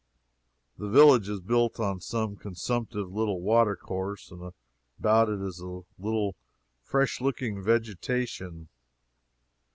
The village is built on some consumptive little water course, and about it is a little fresh looking vegetation.